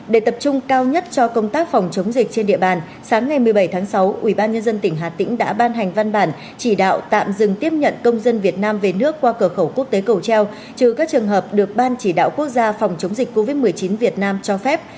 để tập trung cao nhất cho công tác phòng chống dịch trên địa bàn sáng ngày một mươi bảy tháng sáu ubnd tỉnh hà tĩnh đã ban hành văn bản chỉ đạo tạm dừng tiếp nhận công dân việt nam về nước qua cửa khẩu quốc tế cầu treo trừ các trường hợp được ban chỉ đạo quốc gia phòng chống dịch covid một mươi chín việt nam cho phép